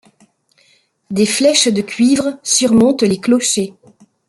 Des flèches de cuivre surmontent les clochers.